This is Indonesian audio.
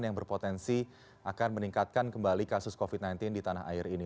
yang berpotensi akan meningkatkan kembali kasus covid sembilan belas di tanah air ini